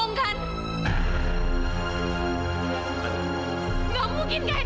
enggak mungkin kak edo mau menikah dengan kamila